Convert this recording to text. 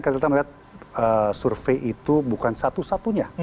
kalau kita melihat survei itu bukan satu satunya